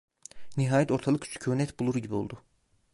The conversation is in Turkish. Nihayet ortalık sükunet bulur gibi oldu.